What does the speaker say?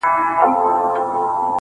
چي ژړل به یې ویلې به یې ساندي-